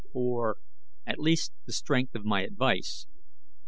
Or, at least, the strength of my advice.